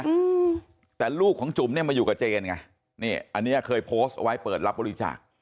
อืมแต่ลูกของจุ๋มเนี้ยมาอยู่กับเจนไงนี่อันเนี้ยเคยโพสต์ไว้เปิดรับบริจาค